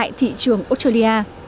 tại thị trường australia